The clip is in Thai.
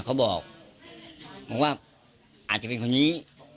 เขาบอกบอกว่าอาจจะเป็นคนนี้